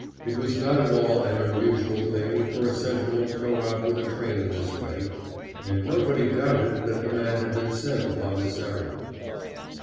It was not at all an unusual thing for a sentinel to go out with a train in this way, and nobody doubted that the man had been sent upon this errand.